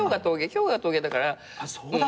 今日が峠だから。